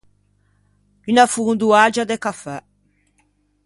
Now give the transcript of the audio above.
Unna fondoaggia de cafè.